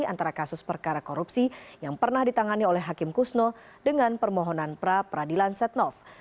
antara kasus perkara korupsi yang pernah ditangani oleh hakim kusno dengan permohonan pra peradilan setnov